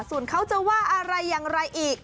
ส่วนเขาจะว่าอะไรอย่างไรอีก